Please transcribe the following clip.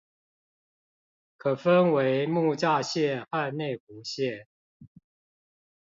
可分為木柵線和內湖線